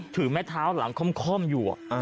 ถือไม้เท้าหลั่งค่อมอยู่อ่ะฮือ